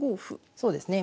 そうですね